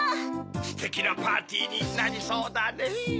ステキなパーティーになりそうだねぇ。